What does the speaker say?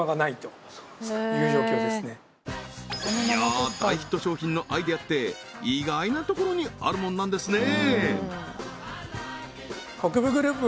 いや大ヒット商品のアイデアって意外なところにあるもんなんですね